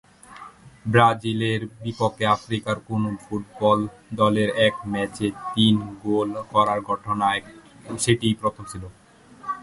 ব্রাজিলের বিপক্ষে আফ্রিকার কোনো ফুটবল দলের এক ম্যাচে তিন গোল করার ঘটনা সেটিই প্রথম ছিল।